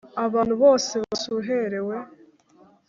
abantu bose basuherewe.